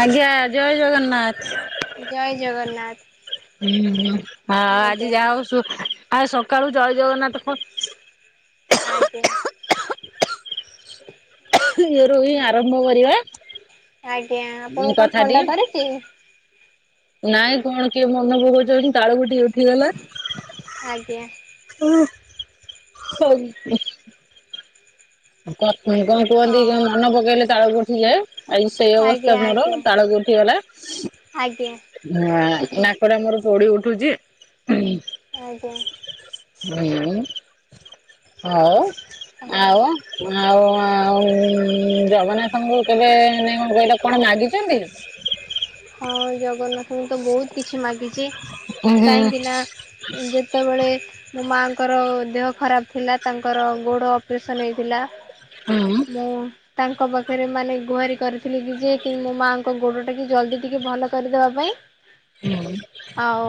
ଆଜ୍ଞା ଜୟ ଜଗନ୍ନାଥ। ଜୟ ଜଗନ୍ନାଥ। ହୁଁ ହୁଁ ଆ ଆଜ୍ଞା ଆଜି ଯା ହଉ ଶୁ ଆ ସକାଳୁ ଜୟ ଜଗନ୍ନାଥ ଆଜ୍ଞା। ଇଏ ରୁ ହି ଆରମ୍ଭ କରିବା। ଆଜ୍ଞା ଆପଣଙ୍କୁ କଥାଟି କଣ ଥଣ୍ଡା ଧରିଛି? ନାଇଁ କଣ କିଏ ମନେ ପକଉଛନ୍ତି ତାଳୁ କୁ ଟିକେ ଉଠିଗଲା। ଆଜ୍ଞା। ହୁଁ। [unintelligible] କ କଣ କୁହନ୍ତି ହଁ ମନ ପକେଇଲେ ତାଳକୁ ଉଠି ଯାଏ? ଆଜି ସେଇ ଅବସ୍ଥା ଆଜ୍ଞା ମୋର ଆଜ୍ଞା ତାଳକୁ ଉଠିଗଲା। ଆଜ୍ଞା ହା ନାକଟା ମୋର ପୋଡି ଉଠୁଛି ହୁଁମ। ଆଜ୍ଞା। ହୁଁ ହଉ ହଁ ଆଉ। ଆଉ ଆଉ ଉ ଜଗନ୍ନାଥଙ୍କୁ କେବେ କଣ ମାଗିଛନ୍ତି? ହଁ ଜଗନ୍ନାଥଙ୍କୁ ତ ବହୁତ କିଛି ମାଗିଛି, କାହିଁକିନା ଯେତେବେଳେ ମୋ ମାଆଙ୍କର ଦେହ ଖରାପ ଥିଲା ତାଙ୍କର ଗୋଡ ଅପରେସନ ହେଇଥିଲା। ହଁ। ମୁଁ ତାଙ୍କ ପାଖରେ ମାନେ ଗୁହାରି କରିଥିଲି କି ଯିଏ କି ମୋ ମାଆଙ୍କ ଗୋଡ ଟା କି ଜଲଦି ଟିକେ ଭଲ କରିଦେବା ପାଇଁ। ହୁଁ। ଆଉ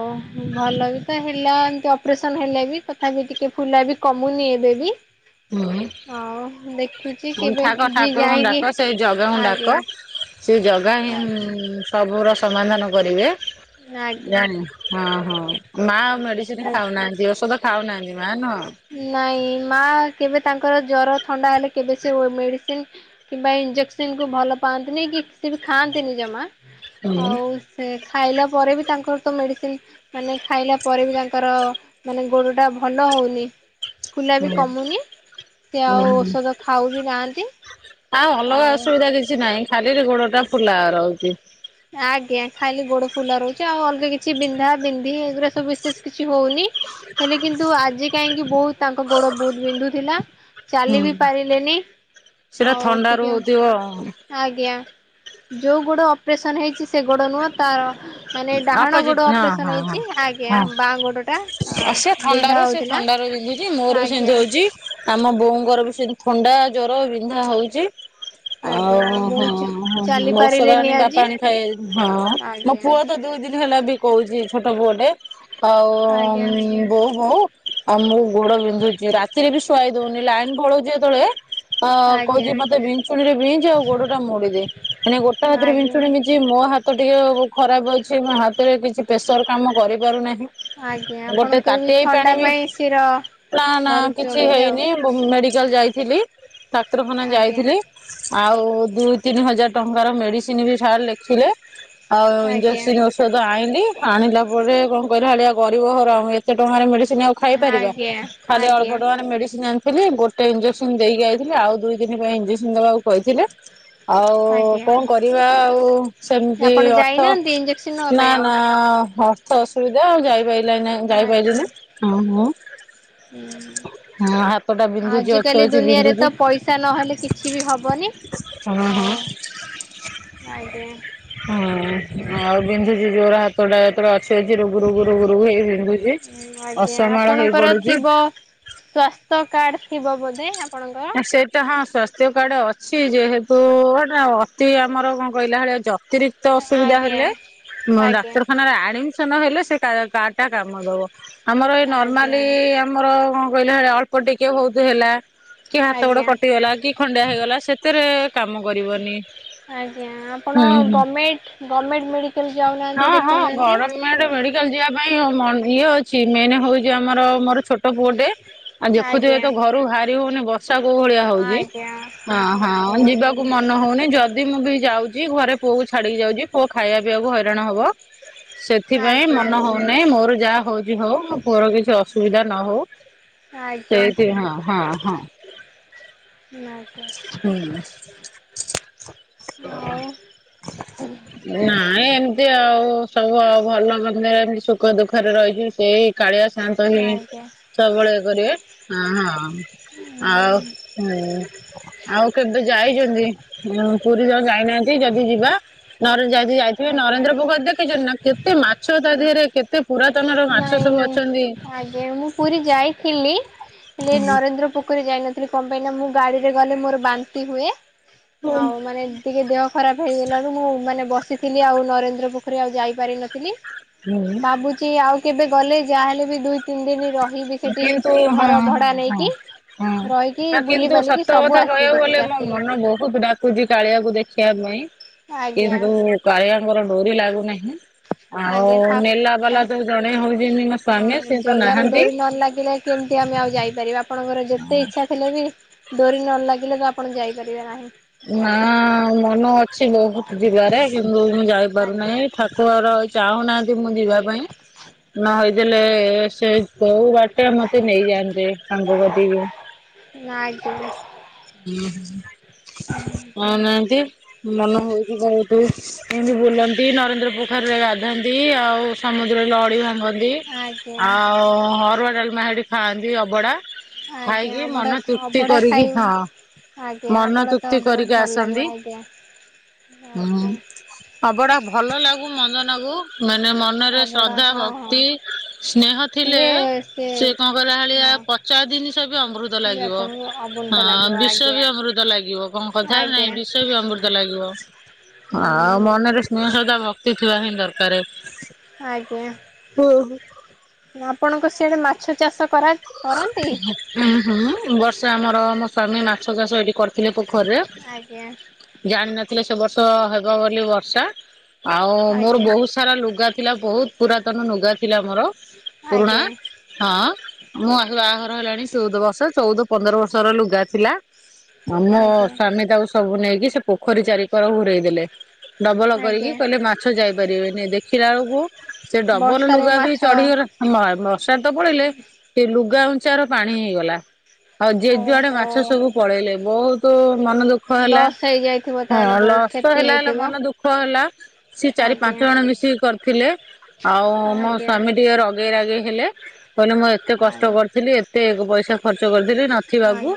ଭଲ ବି ତ ହେଲା ଏମତି ଅପରେସନ ହେଲେ ବି ତଥାପି ଟିକେ ଫୁଲା ବି କମୁନି ଏବେ ବି। ଆଉ ଦେଖୁଛି ହୁଁ କେବେ ଠାକ ଯିଏ ଠାକୁର ଙ୍କୁ ଯାଇକି ଡାକ ସେଇ ଜଗା ଙ୍କୁ ଡାକ। ଆଜ୍ଞା ସେ ଜଗା ହିଁମ୍ ଆଜ୍ଞା ସବୁର ସମାଧାନ କରିବେ, ଆଜ୍ଞା ଜାଣିନି ହଁ, ହଁ। ମା ଆଉ ମେଡିସିନ ଆ ଖାଉନାହାନ୍ତି ଔଷଧ ଖାଉନାହାନ୍ତି ମା ନୁହ। ନାଇଁ ମା କେବେ ତାଙ୍କର ଜର ଥଣ୍ଡା ହେଲେ କେବେ ସେ ମେଡିସିନ କିମ୍ବା ଇଞ୍ଜେକ୍ସନ କୁ ଭଲ ପାଆନ୍ତିନି କି ସେ ବି ଖାଆନ୍ତିନି ଜମା ହୁଁ ଆଉ ସେ ଖାଇଲା ପରେ ବି ତାଙ୍କର ତ ମେଡ଼ିସିନ ମାନେ ଖାଇଲା ପରେ ବି ତାଙ୍କର ମାନେ ଗୋଡ଼ ଟା ଭଲ ହଉନି। ଫୁଲା ବି ହୁଁ କମୁନି ସେ ଆଉ ହୁଁ। ଔଷଧ ଖାଉ ବି ନାହାଁନ୍ତି। ଆଉ ଅଲଗା ଅସୁବିଧା କିଛି ନାହିଁ ଖାଲିରେ ଗୋଡ଼ ଟା ଫୁଲା ରହୁଛି। ଆଜ୍ଞା ଖାଲି ଗୋଡ଼ ଫୁଲ ରହୁଛି ଆଉ ଅଲଗା କିଛି ବିନ୍ଧା ବିନ୍ଧି ଏଗୁରା ସବୁ ବିଶେଷ କିଛି ହୋଉନି। ହେଲେ କିନ୍ତୁ ଆଜି କାହିଁକି ବୋହୁତ ତାଙ୍କ ଗୋଡ଼ ବୋହୁତ ବିନ୍ଧୁଥିଲା। ଚାଲି ହୁଁ ବି ପାରିଲେନି ସେଟା ଆଉ ଥଣ୍ଡାରୁ ଟିକେ ହଉଥିବ ଆଜ୍ଞା ଯୋଉ ଗୋଡ଼ ଅପରେସନ ହେଇଛି ସେ ଗୋଡ଼ ନୁହଁ ତାର ମାନେ ଡାହାଣ ଅପୋଜିଟ ଗୋଡ଼ ହଁ ହଁ ଅପରେସନ ହଁ। ହେଇଛି ହଁ ଆଜ୍ଞା ବାଁ ଗୋଡ଼ ଟା ଆଁ ବିନ୍ଧା ହଉଥିଲା। ଇ ମୋର ବି ସେମିତି ଆଜ୍ଞା ହଉଛି ଆମ ବୋଉଙ୍କର ବି ସେମିତି ଥଣ୍ଡା, ଜର, ବିନ୍ଧା ହୋଉଛି। ଓ ହଁ ଆଜ୍ଞା ହଁ ବହୁତ ଚାଲି ହଁ। ପାରିଲେନି ଆଜି ମୋ ଆଜ୍ଞା ପୁଅ ତ ଦୁଇ ଦିନ ହେଲା ବି କହୁଛି ଛୋଟ ପୁଅଟେ ଆଉ ଆଜ୍ଞା ବୋଉ ବୋଉ ଆଉ ମୁଁ ଗୋଡ଼ ବିନ୍ଧୁଛି ରାତିରେ ବି ଶୁଆଇ ଦୋଉନି ଲାଇନ ପଳଉଛି ଯେତେବେଳେ। ଅ କହୁଛି ଆଜ୍ଞା। ମତେ ବିଞ୍ଚୁଣି ରେ ବିଞ୍ଚ ଆଉ ଗୋଡ଼ଟା ମୋଡ଼ି ଦେ ଏଣେ ଗୋଟେ ହାତ ରେ ଆଜ୍ଞା ବିଞ୍ଚୁଣି ବିଞ୍ଚିବି ମୋ ହା ତ ଟିକେ ଖରାପ ଅଛି ମୋ ହାତରେ କିଛି ପ୍ରେସର କାମ କରିପାରୁନାହିଁ। ଆଜ୍ଞା ଗୋଟେ ଆପଣଙ୍କର ବି ତାଟେଇ ଥଣ୍ଡା ପାଣି ବି ପାଇଁ ଶିର ନା ନା ଧରୁଥିବ କିଛି ବୋଧେ ଆଉ ହେଇନି ମେଡ଼ିକାଲ ଯାଇଥିଲି ଡାକ୍ତରଖାନା ଆଜ୍ଞା ଯାଇଥିଲି। ଆଉ ଦୁଇ ତିନି ହଜାର ଟଙ୍କାର ମେଡି଼ସିନ ବି ସାର୍ ଲେଖିଲେ। ଆଉ ଆଜ୍ଞା ଇଂଜେକ୍ସନ୍ ଓସ୍ ସଦ ଆଇଁଲି ଆଣିଲା ପରେ କଣ କହିଲା ଭଳିଆ ଗରିବ ଘର ଆଉ ଏତେ ଟଙ୍କାରେ ମେଡି଼ସ୍ ତିନ୍ ଆଉ ଖାଇ ପାରିବା ଆଜ୍ଞା ଖାଲି ଅଳପ ଆଜ୍ଞା। ଟଙ୍କାରେ ମେଡ଼ିସିନ୍ ଆଣିଥିଲି ଗୋ ଟେ ଇଞ୍ଜେକ୍ସନ ଦେଇକି ଆଇଥିଲି ଆଉ ଦୁଇ ଦିନ ପାଇଁ ଇଞ୍ଜେକ୍ସନ ଦେବାକୁ କହିଥିଲେ। ଆଉ ଆଜ୍ଞା କଣ କରିବା ଆଉ ସେମିତି ଆପଣ ଅ ଯାଇନାହାନ୍ତି ଇଞ୍ଜେକ୍ସନ ନବା ର୍ଥ ନା ପାଇଁ ଆଉ ନା ହଁ। ଥ ଅସୁବିଧା ଆଉ ଯାଇପାଇଲାନି ଆଜ୍ଞା। ଯାଇପାଇଲୁନୁ। ହୁଁ। ଅଛି ଆଜିକାଲି ଅଛି ଦୁନିଆରେ ବିନ୍ଧୁଛି। ତ ପଇସା ନହେଲେ କିଛି ବି ହବନି। ହଁ ହଁ। ହଉ ଆଜ୍ଞା। ହୁଁ ଆଉ ବିନ୍ଧୁଛି ଯୋରେ ହାତଟା ଯେତେବେଳ ଅଛି ଅଛି ରୁଗୁ ରୁୁଗୁ ରୁଗୁ ରୁଗୁ ହେଇ ହେଇ ବିନ୍ଧୁ ଚି ଆଜ୍ଞା ଅସମାଳ ହେଇ ପଡ଼ୁଛି। ସ୍ଵାସ୍ଥ୍ୟ କାର୍ଡ ଥିବ ବୋଧେ ଆପଣଙ୍କର। ଏଁ ସେଇଟା ହଁ ସ୍ୱାସ୍ଥ୍ୟ କାର୍ଡ ଅଛି ଯେହେତୁ ହେଟା ଅତି ଆମର କଣ କହିଲା ଭଳିଆ ଜ ଅତିରିକ୍ତ ଅସୁବିଧା ଆଜ୍ଞା ହେଲେ ମୁଁ ଆଜ୍ଞା ଡାକ୍ତରଖାନାରେ ଆଡମି ସନ ହେଲେ ସେ କା-କାର୍ଡ ଟା କାମ ଦବ ଆମର ଏ ଆଜ୍ଞା ନର୍ମାଲି ଆ ମର କଣ କହିଲେ ଭଳିଆ ଅଳ୍ପ ଟିକେ ବହୁତ ହେଲା। କି ହାତ ଗୋଡ଼ ଆଜ୍ଞା। କଟିଗଲା କି ଖଣ୍ଡିଆ ହେଇଗଲା ସେଥିରେ କାମ କରିବନି। ଆଜ୍ଞା ଆପଣ ହୁଁ ହୁଁ। ଗମ୍ ଗମେର୍ଟ୍ ମେଡ଼ି କାଲ୍ ଯାଉନ। ହଁ ହଁ ଗରମ୍ [unintelligible] ମେଡ଼ିକାଲ ଯିବା ପାଇଁ ଅ ମ ଇଏ ଅଛି ମେନ୍ ହୋଉଛି ଆମର ମୋର ଛୋଟ ପୁଅଟେ। ଆଉ ଦେଖୁଥିବେ ଆଜ୍ଞା ତ ଘରୁ ଭାରିବୁ ମାନେ ବର୍ଷା କୋଉ ଭଳିଆ ହଉଛି ଆଜ୍ଞା ହଁ ହଁ ଓହୋ ଯିବାକୁ କୁ ମନ ହଉନି ଯଦି ମୁଁ ବି ଯାଉଛି ଘରେ ପୁଅକୁ ଛାଡିକି ଯାଉଛି ପୁଅ ଖାଇବା ପିଇକୁ ହଇରାଣ ହବ। ସେଥିପାଇଁ ଆଜ୍ଞା। ମନ ହଉନାହିଁ ମୋର ଯାହା ହଉଛି ହଉ ପୁଅର କିଛି ଅସୁବିଧା ନ ହଉ। ଆଜ୍ଞା ସେଇଠି ହଁ ହଁ ହଁ। ନ ହୁଁ। ଆଉ ନାଇଁ ଏମିତି ଆଉ ସବୁ ଆଉ ଭଲ ମନ୍ଦରେ ଏମିତି ସୁଖ ଦୁଃଖରେ ରହିଛି ସେଇ କାଳିଆ ଶାନ୍ତ ହି ଆଜ୍ଞା ସବୁବେଳେ ଇଏ କରିବେ ହଁ ହଁ ଆଉ ହୁଁ। ଆଉ କେବେ ଯାଇଛନ୍ତି ପୁରୀ ତ ଯାଇନାହାନ୍ତି ଯଦି ଯିବା ଯାଇକି ଯାଇଥିବେ ନରେନ୍ଦ୍ର ଆଜ୍ଞା। ପୋଖରୀ ଦେଖିଛନ୍ତି ନା କେତେ ମାଛ ତା ଦେହରେ କେତେ ପୁରାତନ ର ମାଛ ନାଇଁ ସବୁ ଅଛନ୍ତି। ଆଜ୍ଞା ମୁଁ ପୁରୀ ଯାଇଥିଲି ହେଲେ ନରେନ୍ଦ୍ର ପୋଖରୀ ଯାଇନଥିଲି। ସେ କଣ ପାଇଁ ନା ମୁଁ ଗାଡିରେ ଗଲେ ମୋର ବାନ୍ତି ହୁଏ ହୁଁ ଆଉ ମାନେ ଟିକେ ଦେହ ଖରାପ ହେଇଗଲାରୁ ମୁଁ ମାନେ ବସିଥିଲି ଆଉ ନରେନ୍ଦ୍ର ପୋଖରୀ ଆଉ ଯାଇପାରିିନଥିଲି। ଭାବୁଛି ଆଉ କେବେ ଗଲେ ଯାହାହେଲେ ବି ଦୁଇ ତିନି ଦିନ ରହିିବି ସେଠି କିନ୍ତୁ ହଁ ଘର ଭଡା ହଁ ହଁ ନେଇକି ହଁ। ରହିକି ଆ କିନ୍ତୁ ବୁଲିିବାଲିକି ସତ ସବୁ ଆସିବ ଦେଖିକି ଆସିବି। ଖୁଛି କାଳିଆକୁ ଦେଖିବା ପାଇଁ ଆଜ୍ଞା କିନ୍ତୁ କାଳିଆଙ୍କର ଡୋରି ଲାଗୁନାହିଁ। ଆଉ ଆଜ୍ଞା ଠା ନେଲା ଠା ବାଲା ତ ଜଣେ ହଉଛନ୍ତି ମୋ ସ୍ଵାମୀ ସିଏ ତ ନାହାନ୍ତି। ଭଲ ଲାଗିଲା କେମିତି ଆମେ ଆଉ ଯାଇପାରିବା ଆପଣଙ୍କର ଯେତେ ଇଚ୍ଛା ଥିଲେ ବି ଡୋରି ନ ଲାଗିଲେ ତ ଆପଣ ଯାଇପାରିବେ ନାହିଁ। ନା ମନ ଅଛି ବହୁତ ଯିବାରେ କିନ୍ତୁ ମୁଁ ଯାଇପାରୁନାହିଁ ଆଜ୍ଞା ଠା ପୁଅର ଚାହୁଁନାହାନ୍ତି ମୁଁ ଯିବା ପାଇଁ ନ ହେଇଥିଲେ ସେ ସୋଉ ବାଟେ ମତେ ନେଇଯାଆନ୍ତେ ତାଙ୍ଗ କତିକି। ଆଜ୍ଞା ନଉ ନହାନ୍ତି। ମନ ହୋଉଛି ଯୋଉଠି ଏମତି ବୁଲନ୍ତି ନରେନ୍ଦ୍ର ପୋଖରରେ ଗାଧନ୍ତି ଆଉ ସମୁଦ୍ରରେ ଲହଡି ଭାଙ୍ଗନ୍ତି। ଆଜ୍ଞା ଆଉ ଅରୁଆ ଡାଲମା ସେଠୀ ଖାଆନ୍ତି ଅବଡା। ଆଜ୍ଞା ଖାଇକି ଅଭଡ଼ା ମନ ତୁପ୍ତି ଅଭଡ଼ା କରିକି ଖାଇ ହଁ। ଆଜ୍ଞା ମନ ଅଭଡ଼ା ତ ତୃପ୍ତି କରିକି ବହୁତ ଭଲ ଲାଗେ ଆସନ୍ତି ଆଜ୍ଞା ହଁ। ଆଜ୍ଞା ଆବଡା ଭଲ ଲାଗୁ ମନ୍ଦନାଗୁ ମାନେ ମନରେ ଅଭଡ଼ା ଶ୍ରଦ୍ଧା ହଁ ହଁ ଭକ୍ତି ସ୍ନେହ ଥିଲେ ସେ କଣ କହିଲା ଭଳିଆ ହଁ ପଚା ଜିନିଷ ବି ଅମୃତ। ହେଲେ ଲାଗିବ ଆପଣଙ୍କୁ ଅବନ୍ତା ଲାଗିବ ହଁ ବିଷ ଆଜ୍ଞା ବି ଅମୃତ ଲାଗିବ। କଥାରେ ଆଜ୍ଞା। ନାହିଁ ବିସ ବି ଅମୃତ ଲାଗିବ। ହୁଁ ମନରେ ସ୍ନେହ ଶ୍ରଦ୍ଧା ଭକ୍ତି ଥିବା ହିଁ ଦରକାର। ଆଜ୍ଞା ହୁଁ। ଆପଣଙ୍କ ସିଆଡେ ମାଛ ଚାଷ କରାଜାଏ। କରନ୍ତି। ହୁଁ ହୁଁ ବର୍ଷେ ଆମର ମୋ ସ୍ଵାମୀ ମାଛ ଚାଷ ଏଇଠି କରିଥିଲେ ପୋଖରୀରେ। ଆଜ୍ଞା ଜାଣିନଥିଲେ ସେ ବର୍ଷ ହେବ ବୋଲି ବର୍ଷା ଆଉ ମୋର ଆଜ୍ଞା ବହୁତ ସାରା ଲୁଗା ଥିଲା ବହୁତ ପୁରାତନ ଲୁଗା ଥିଲା ମୋର ପୁରୁଣା ଆଜ୍ଞା ହଁ। ମୁଁ ଆ ବାହାଘର ହେଲାଣି ଚଉଦ ବର୍ଷ ଚଉଦ ପନ୍ଦର ବର୍ଷର ଲୁଗା ଥିଲା। ଆମ ଆଜ୍ଞା ସ୍ୱାମୀ ତାକୁ ସବୁ ନେଇକି ସେ ପୋଖରୀ ଚାରିିକର ଘୁରେଇ ଦେଲେ। ଡବଲ କରିକି ଆଜ୍ଞା। କହିଲେ ମାଛ ଯାଇପାରିବେନି ଦେଖିଲା ବେଳକୁ ସେ ଡବଲ ବର୍ଷାରେ ଲୁଗା ବି ମାଛ ଚଢିଗଲା। ହ ବର୍ଷା ତ ପଡିଲେ ସେ ଲୁଗା ଉଁଚାର ପାଣି ହେଇଗଲା। ଆଉ ଯିଏ ଜୁଆଡେ ଓହୋ ମାଛ ସବୁ ପଳେଇଲେ ବହୁତ ତୁମନ ଦୁଃଖ ହେଲା ଲସ୍ ହେଇଯାଇଥିବ ହଁ ତାହେଲେ ବହୁତ ଲସତ କ୍ଷତି ହେଲା ହେଲା ହେଇଥିବ। ମନ ଦୁ ଖହେଲା ସିଏ ଚାରି ଆଜ୍ଞା ପାଞ୍ଚ ଜଣ ମିଶିକି କରିଥିଲେ ଆଉ ମୋ ଆଜ୍ଞା ସ୍ଵାମୀ ଟିକେ ର ଗେଇ ରାଗେଇ ହେଲେ କହିଲେ ମୁଁ ଏତେ କଷ୍ଟ ଆଜ୍ଞା କରିଥିଲି ଏତେ ପଇସା ଖର୍ଚ୍ଚ କରିଥିଲି ନଥିବାକୁ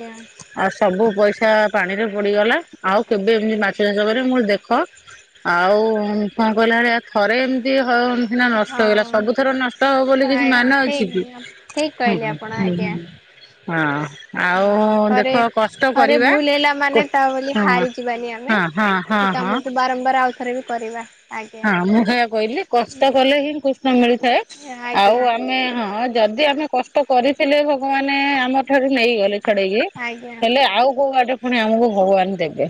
ଆଉ ସବୁ ପଇସା ପାଣିରେ ପଡ଼ିଗଲା ଆଉ କେବେ ଏମିତି ମାଛ ଚାଷ କରି ମୁଁ କହିଲି ଦେଖ ଆଉ କଁ କହିଲା ଭଳିଆ ଥରେ ଏମିତି ହଁ ଏମ୍ ସିନା ନଷ୍ଟ ଆଜ୍ଞା ହେଇଗଲା ହଁ। ସବୁଥର ନଷ୍ଟ ହବ ବୋଲି କିଛି ମାନେ ଠିକ୍ ଅଛିକି ଠିକ୍ ହଁ କହିଲେ ହୁଁ ଆପଣ ହୁଁ ଆଜ୍ଞା ହଁ। ହଁ ଆଉ ଥରେ ଦେଖ କଷ୍ଟ ଥରେ କରିବା ଭୁଲ ହେଲା ମାନେ କୋ ତା ବୋଲି ହଁ ହାରିଯିବାନି ଆମେ। ହଁ ହଁ ହଁ ସେ ହଁ। କାମକୁ ବାରମ୍ବାର ଆଉ ଥରେବି କରିବା। ଆଜ୍ଞା ହଁ ମୁଁ ହେଇଆ କଇଁଲି କଷ୍ଟ କଲେହିଁ କୃଷ୍ଣ ମିଳିଥାଏ। ଆଉ ଆଜ୍ଞା। ଆମେ ହଁ ଯଦି ଆମେ କଷ୍ଟ କରିଥିଲେ ଭଗବାନ ଆମ ଠାରୁ ନେଇଗଲେ ଛଡ଼େଇକି ଆଜ୍ଞା ହେଲେ ଆଉ କୋଉ ବାଟେ ଫୁଣି ଆମକୁ ଭଗବାନ ଦେବେ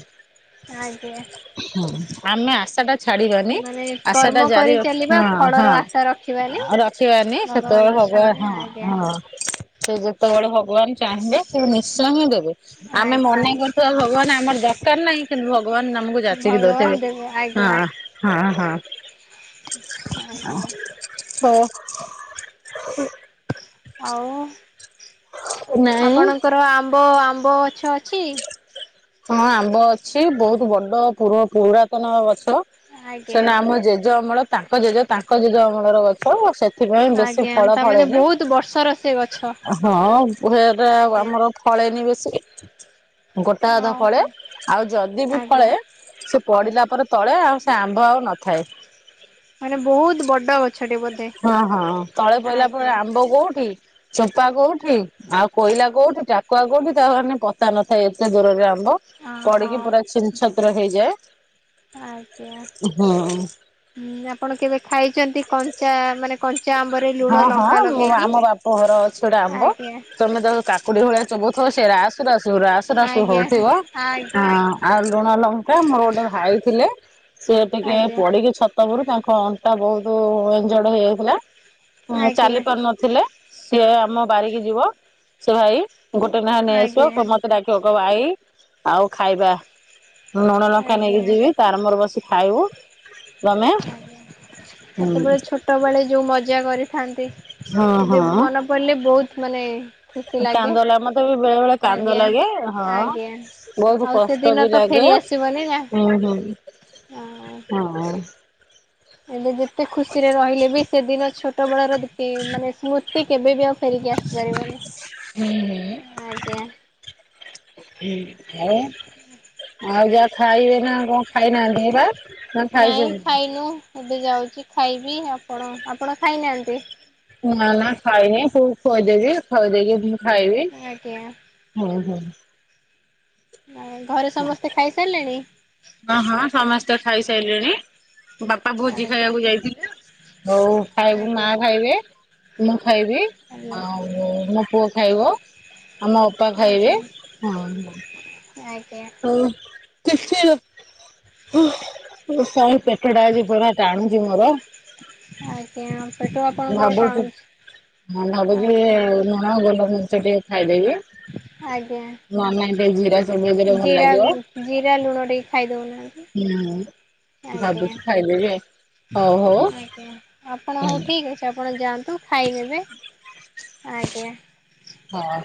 ଆଜ୍ଞା ହଁ ଆମେ ଆଶାଟା ଛାଡ଼ିବାନି ମାନେ ଆଶାଟା କର୍ମ ଜାରି କରି ର ଚାଲିବା ହଁ ଫଳର ଆଶା ରଖିବାନି। ହଁ ରଖିବାନି ଭଗବାନ ସେତେବେଳେ ଭଗବା ଅଛନ୍ତି ହଁ। ଆଜ୍ଞା ହଁ ସେଯେତେବେଳେ ଭଗବାନ ଚାହିଁବେ ସେନିଶ୍ଚୟ ହିଁ ଦେବେ। ଆମେ ଆଜ୍ଞା ମନେଇ କରୁଥିବା ଭଗବାନ୍ ଆମର ଦରକାର୍ ନାଇଁ କିନ୍ତୁ ଭଗବାନ୍ ଆମକୁ ଯାଚିକି ଭଗବାନ ଦଉଥିବେ। ଦେବେ ଆଜ୍ଞା। ଅଁ ହଁ ଆଜ୍ଞା ହୋ ଆଉ ନାଇଁ ଆପଣଙ୍କର ଆମ୍ବ ଆମ୍ବ ଗଛ ଅଛି? ହଁ ଆମ୍ବ ଅଛି ବହୁତ୍ ବଡ଼ ପୂର୍ବ ପୁରାତନ ଗଛ ଆଗ୍ ସେନା ଆମ ଜେଜେ ଅମଳ ତାଙ୍କ ଜେଜେ ତାଙ୍କ ଜେଜ ଅମଳର ଗଛ ସେଥିପାଇଁ ବେଶୀ ଫଳ ଫଳେନି କିନ୍ତୁ ବର୍ଷରେ ଅଁ ହଁ ହୁଏ ଏଗ୍ ଆଜ୍ଞା। ଆମର ଫଳେନି ବେଶୀ ଗୋଟା ଅଧା ଫଳେ ଓହୋ ଆଉ ଯଦିବି ଆଜ୍ଞା ଫଳେ ସେ ପଡ଼ିଲାପରେ ତଳେ ଆଉସେ ଆମ୍ବ ଆଉ ନଥାଏ। ମାନେ ବହୁତ୍ ବଡ଼ ଗ ହଁ ହଁ ତଳେ ପଇିଲାପରେ ଆଜ୍ଞା। ଆମ୍ବ କୋଉଠି ଚୋପା କୋଉଠି ଆଉ କୋଇଲା କୋଉଠି ଟାକୁଆ କୋଉଠି ତାମାନେ ପତା ନଥାଏ ଏତେ ଦୂରରେ ଆ ମ୍ବ ଓହୋ ପଡ଼ିକି ପୁରା ଛିନ୍ ଛତ୍ର ହେଇଯାଏ। ଆଜ୍ଞା ହୁଁ। ହୁଁ ଆପଣ କେବେ ଖାଇଚନ୍ତି କଞ୍ଚା ମାନେ କ ହଁ ହଁ ମୁଁ ଆମ ବାପଘର ଅଛି ଗୋଟା ଆମ୍ବ ଆଜ୍ଞା ତମେ ଯଉ କାକୁଡ଼ି ଭଳିଆ ଚୋବୁଥିବ ସେ ରାସୁ ରାସୁ ରାସୁ ରାସୁ ଆଜ୍ଞା ହଉଥିବ। ଆଜ୍ଞା ଆଜ୍ଞା ହଁ ଆଉ ଲୁଣ ଲଙ୍କା ମୋର ଗୋଟେ ଭାଇ ଥିଲେ ସିଏ ଟିକେ ପୋଡ଼ିକି ଛ ସେବେଠୁ ତାଙ୍କ ଅଣ୍ଟା ବହୁତ୍ ଏଞଜଡ଼ ହେଇଯାଇଥିଲା ଜମା ଆଜ୍ଞା। ଚାଲି ପାରୁନଥିଲେ ସିଏ ଆମ ବାରିକି ଯିବ ସେ ଭାଇ ଗୋଟେ ନେଖା ନେଇ ଆସିବ ଆଜ୍ଞା କ ମତେ ଡାକିବ କଇଁବ ଆଇ ଆଉ ଖାଇବା ଲୁଣ ଲଙ୍କା ଆଜ୍ଞା ନେଇକି ଯିବି ତାରମୋର ବସି ଖାଇବୁ ତମେ ଆଜ୍ଞା ହୁଁ ସେତେବେଳେ ଛୋଟବେଳେ ଯୋଉ ମଜା କରି ଥାନ୍ତି ହଁ ଏବେ ହଁ ମନେ ପଡ଼ିଲେ ବହୁତ୍ ମାନେ ଖୁସି ଲାଗେ କାନ୍ଦ ଲା ମତେ ବି ବେଳେ ବେଳେ କାନ୍ଦ ଆଜ୍ଞା ଲାଗେ ହଁ। ଆଜ୍ଞା। ବହୁତ ଆଉ କଷ୍ଟ ବି ସେଦିନତ ଲାଗେ ଫେରି ଆସିବନିନା ହୁଁ ହୁଁ ହଁ। ହଁ ଅଁ। ଏବେ ଯେତେ ଖୁସିରେ ରହିଲେବି ସେଦିନ ଛୋଟବେଳର ଯେତେ ମାନେ ସ୍ମୃତି କେବେବି ଆସି ଫେରିକି ଆସିପାରିବ ନି ଆଜ୍ଞା। ଉଁ ଆଉ ଆଉ ଯାହା ଖାଇବେ ନା କଣ‌ ଖା ଖାଇନାହାନ୍ତି ନା ନା ନାଇଁ ଖାଇଛନ୍ତି? ଖାଇନୁ। ମୁଁ ଏବେ ଯାଉଛି ଖାଇବି ଆପଣ ଆପଣ ଖାଇନାହାନ୍ତି? ନା ନା ଖାଇନି ପୁଅକୁ ଖୁଆଇ ଦେବି ଖୁଆଇ ଦେଇକି ମୁଁ ଖାଇବି। ଆଜ୍ଞା ହୁଁ ହୁଁ ହୁଁ। ଆଉ ଘରେ ସମସ୍ତେ ଖାଇ ସାରିଲେଣି? ହଁ ହଁ ସମସ୍ତେ ଖାଇ ସାରିଲେଣି ବାପା ଭୋଜି ଆଜ୍ଞା ଖାଇବାକୁ ଯାଇଥିଲେ ଆଉ ଖାଇବୁ ମା ଆଜ୍ଞା ଖାଇବେ ମୁଁ ଖାଇବି ଆଜ୍ଞା ଆଉ ମୋ ପୁଅ ଖାଇବ ଆମ ଅପା ଖାଇବେ ଆଜ୍ଞା ହଁ। ଆଜ୍ଞା। ଓ [inaudible] ଓ ମୋ ତଳି ପେଟ ଟା ଆଜି ପୁରା ଟାଣୁ ଛି ମୋର। ଆଜ୍ଞା ପେଟ ଆପଣଙ୍କର ଭାବୁଛି ଟାଣୁଛି। ହଁ ଭାବୁଛି ଆଜ୍ଞା [inaudible] ହଁ ଗୋଲ ମରିଚ ଟିକେ ଖାଇଦେବି ଆଜ୍ଞା ନହେଲେ ନାଇଁ ଟିକେ ଜିରା ଚୋବେଇ ଦେଲେ ଭ ଜିରା ଜିରା ଲୁଣ ଟିକେ ଖାଇ ଦଉନାହାନ୍ତି। ହୁଁ। ଆଜ୍ଞା ଭାବୁଛି ଖାଇଦେବି ଆଉ ହଉ ହଉ ଆଜ୍ଞା ଆପଣ ହୁଁ ହଉ ଠିକ୍ ଅଛି ଆପଣ ଯାଆନ୍ତୁ ଖାଇଦେବେ ଆଜ୍ଞା। ହଁ।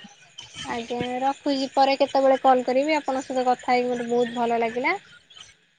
ଆଜ୍ଞା ରଖୁଛି ପରେ କେତେବେଳେ କଲ୍ କରିବି ଆପଣଙ୍କ ସହିତ କଥା ହେଇକି ମତେ ବହୁତ ଭଲ ଲାଗିଲା।